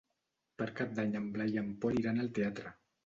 Per Cap d'Any en Blai i en Pol iran al teatre.